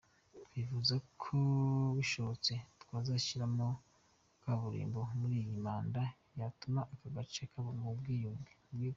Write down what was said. Twifuza ko bishobotse wazashyirwamo kaburimbo muri iyi manda, byatuma aka gace kava mu bwigunge,…”.